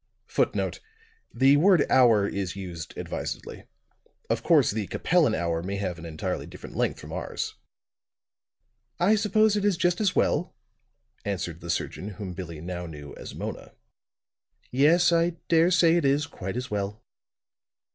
[Footnote: The word hour is used advisedly. Of course, the Capellan hour may have an entirely different length from ours.] "I suppose it is just as well," answered the surgeon whom Billie now knew as Mona. "Yes, I dare say it is quite as well."